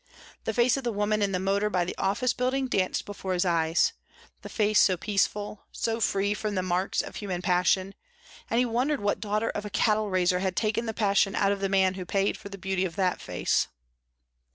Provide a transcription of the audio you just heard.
The face of the woman in the motor by the office building danced before his eyes, the face so peaceful, so free from the marks of human passion, and he wondered what daughter of a cattle raiser had taken the passion out of the man who paid for the beauty of that face.